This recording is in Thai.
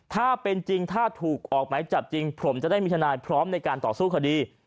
ถ้าเป็นจริงถ้าถูกออกหมายจับจริงผมจะได้มีทนายพร้อมในการต่อสู้คดี